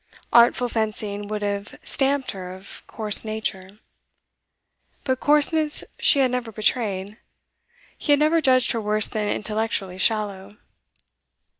Artful fencing would have stamped her of coarse nature. But coarseness she had never betrayed; he had never judged her worse than intellectually shallow.